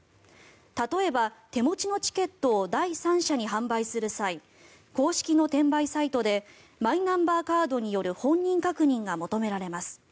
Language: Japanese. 例えば手持ちのチケットを第三者に販売する際公式の転売サイトでマイナンバーカードによる本人確認が求められます。